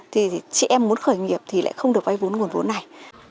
thì chị em muốn khởi nghiệp thì lại không được vay vốn nguồn vốn này